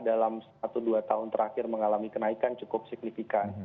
dalam satu dua tahun terakhir mengalami kenaikan cukup signifikan